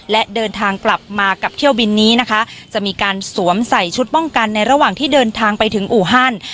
และเดินทางกลับมากับเที่ยวบินนี้นะคะจะมีการสวมใส่ชุดป้องกันในระหว่างที่เดินทางไปถึงอู่ฮัน